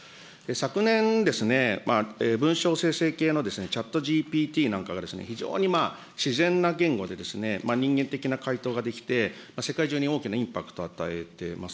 昨年ですね、文章生成系のチャットＧＰＴなんかが、非常に自然な言語で人間的な回答ができて、世界中に大きなインパクトを与えています。